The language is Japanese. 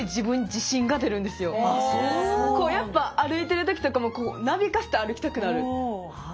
こうやっぱ歩いてる時とかもなびかせて歩きたくなる。